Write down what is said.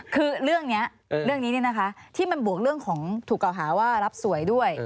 คือเรื่องนี้เรื่องนี้ที่มันบวกเรื่องของถูกกล่าวหาว่ารับสวยด้วย